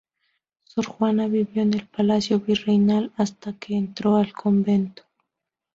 Sor Juana vivió en el palacio virreinal hasta que entró al convento.